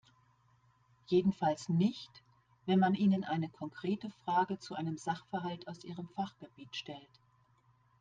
Jedenfalls nicht, wenn man ihnen eine konkrete Frage zu einem Sachverhalt aus ihrem Fachgebiet stellt.